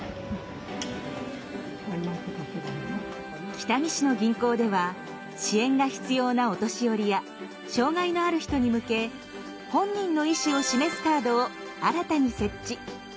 北見市の銀行では支援が必要なお年寄りや障害のある人に向け本人の意思を示すカードを新たに設置。